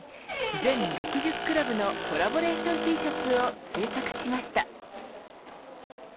全６０クラブのコラボレーションＴシャツを制作しました。